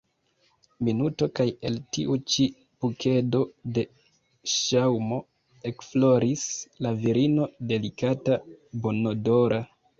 Minuto kaj el tiu ĉi bukedo de ŝaŭmo ekfloris la virino delikata, bonodora.